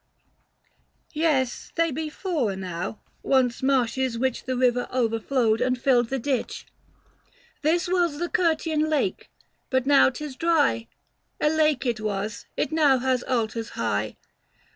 470 " Yes, they be Fora now, once marshes, which The river overflowed, and filled the ditch. This was the Curtian lake, but now 'tis dry — A lake it was, it now has altars high.